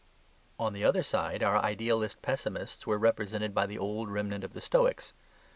On the other side our idealist pessimists were represented by the old remnant of the Stoics.